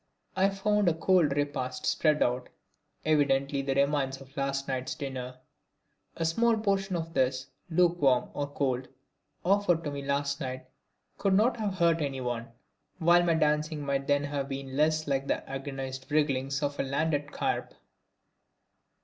I found a cold repast spread out, evidently the remnants of last night's dinner. A small portion of this, lukewarm or cold, offered to me last night could not have hurt anyone, while my dancing might then have been less like the agonised wrigglings of a landed carp.